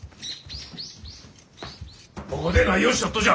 ここで何をしちょっとじゃ？